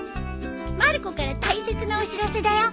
まる子から大切なお知らせだよ。